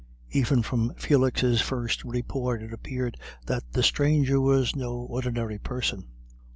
Even from Felix's first report it appeared that the stranger was no ordinary person.